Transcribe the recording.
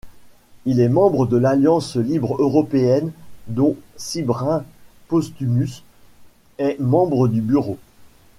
Il est membre de l'Alliance libre européenne dont Sybren Posthumus est membre du bureau.